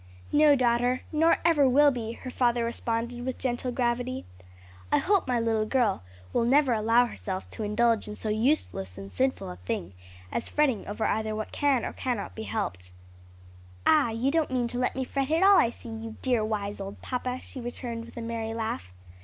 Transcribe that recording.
"No, daughter, nor ever will be," her father responded with gentle gravity. "I hope my little girl will never allow herself to indulge in so useless and sinful a thing as fretting over either what can or what cannot be helped." "Ah, you don't mean to let me fret at all, I see, you dear, wise old papa," she returned with a merry laugh.